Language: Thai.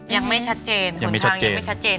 ยังไม่ชัดเจนหนทางยังไม่ชัดเจน